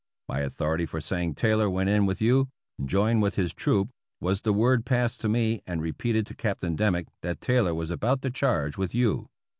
My authority for saying Taylor went in with you, 'joined with his troop ' was the word passed to me and repeated to Captain Dimmick that Taylor was about to charge with you.